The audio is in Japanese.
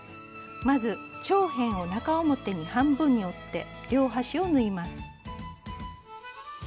まず長辺を中表に半分に折って両端を縫います。